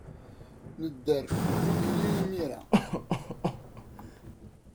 Nedder ddukkli imir-a.